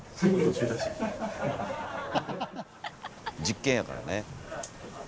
実験やからね。